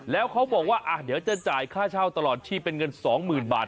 แล้วเขาบอกว่าเดี๋ยวจะจ่ายค่าเช่าตลอดชีพเป็นเงิน๒๐๐๐บาท